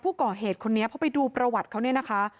ผู้ก่อเหตุคนนี้พอไปดูประวัติเขาเนี่ยนะคะ